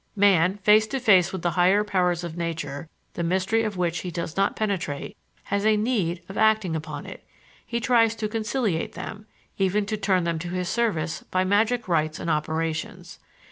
Man, face to face with the higher powers of nature, the mystery of which he does not penetrate, has a need of acting upon it; he tries to conciliate them, even to turn them to his service by magic rites and operations.